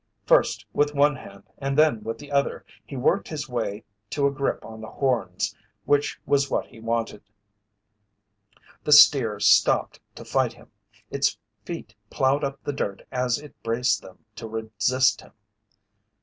First with one hand and then the other he worked his way to a grip on the horns, which was what he wanted. The steer stopped to fight him. Its feet ploughed up the dirt as it braced them to resist him.